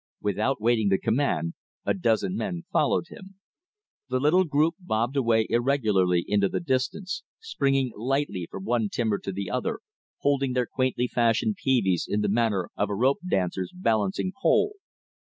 Without waiting the command, a dozen men followed him. The little group bobbed away irregularly into the distance, springing lightly from one timber to the other, holding their quaintly fashioned peaveys in the manner of a rope dancer's balancing pole.